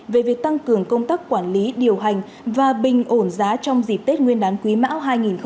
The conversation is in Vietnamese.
về việc tăng cường công tác quản lý điều hành và bình ổn giá trong dịp tết nguyên đán quý mão hai nghìn hai mươi